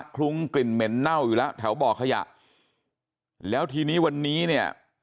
ลุ้งกลิ่นเหม็นเน่าอยู่แล้วแถวบ่อขยะแล้วทีนี้วันนี้เนี่ย